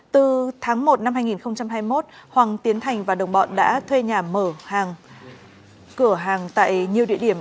từ tháng một năm hai nghìn hai mươi một hoàng tiến thành và đồng bọn đã thuê nhà mở hàng cửa hàng tại nhiều địa điểm